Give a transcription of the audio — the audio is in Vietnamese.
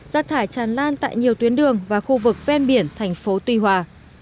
rác thải tràn lan tại nhiều tuyến đường và khu vực ven biển thành phố tuy hòa